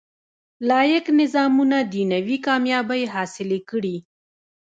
لاییک نظامونه دنیوي کامیابۍ حاصلې کړي.